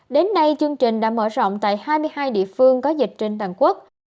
đến nay chương trình đã mở rộng tại hai mươi hai địa phương có dịch trên toàn quốc